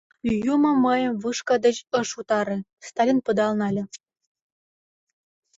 — Юмо мыйым вышка деч ыш утаре, Сталин пыдал нале.